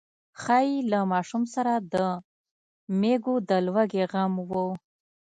ښايي له ماشوم سره د مېږو د لوږې غم و.